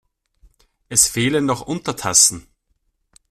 Es fehlen noch Untertassen.